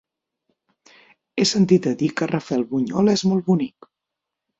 He sentit a dir que Rafelbunyol és molt bonic.